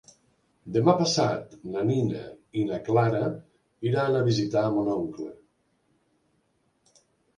Demà passat na Nina i na Clara iran a visitar mon oncle.